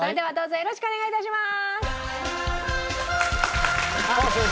よろしくお願いします。